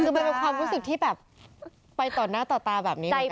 คือมันเป็นความรู้สึกที่แบบไปต่อหน้าต่อตาแบบนี้